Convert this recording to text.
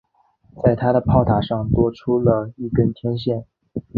在它的炮塔上多出了一根天线。